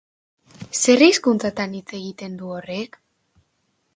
Zer hizkuntzatan hitz egiten du horrek?